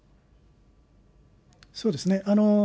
そうですね。